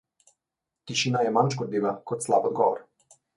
Tišina je manj škodljiva kot slab odgovor.